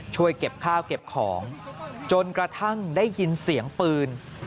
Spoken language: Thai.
ช่วยเก็บข้าวเก็บของจนกระทั่งได้ยินเสียงปืน